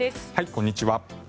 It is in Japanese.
こんにちは。